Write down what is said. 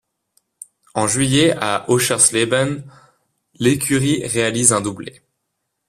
En juillet, à Oschersleben, l'écurie réalise un doublé.